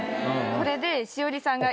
これで。